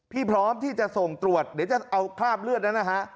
พร้อมที่จะส่งตรวจเดี๋ยวจะเอาคราบเลือดนั้นนะฮะ